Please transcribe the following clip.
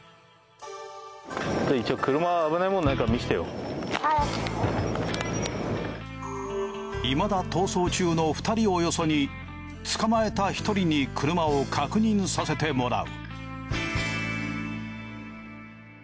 一応いまだ逃走中の２人をよそに捕まえた１人に車を確認させてもらう。